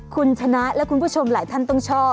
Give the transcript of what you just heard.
คุณชนะและคุณผู้ชมหลายท่านต้องชอบ